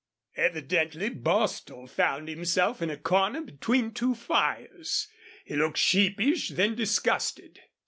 Evidently Bostil found himself in a corner between two fires. He looked sheepish, then disgusted.